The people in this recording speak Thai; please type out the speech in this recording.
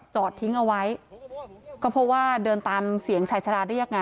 จอดทิ้งเอาไว้ก็เพราะว่าเดินตามเสียงชายชะลาเรียกไง